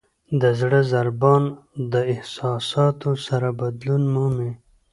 د زړه ضربان د احساساتو سره بدلون مومي.